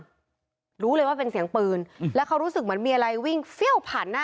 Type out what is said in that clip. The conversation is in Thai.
แล้วก็ได้คุยกับนายวิรพันธ์สามีของผู้ตายที่ว่าโดนกระสุนเฉียวริมฝีปากไปนะคะ